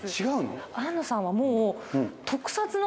庵野さんはもう。